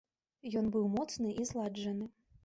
Ён быў моцны і зладжаны.